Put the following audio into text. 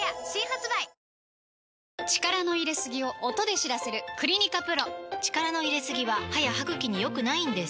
力の入れすぎを音で知らせる「クリニカＰＲＯ」力の入れすぎは歯や歯ぐきに良くないんです